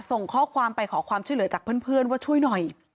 ส่งข้อความไปขอความช่วยเหลือจากเพื่อนว่าช่วยหน่อย